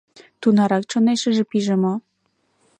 Тунарак чонешыже пиже мо?